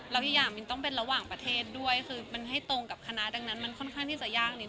แล้วอีกอย่างมินต้องเป็นระหว่างประเทศด้วยคือมันให้ตรงกับคณะดังนั้นมันค่อนข้างที่จะยากนิด